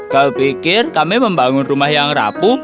kau pikir kami membangun rumah yang rapuh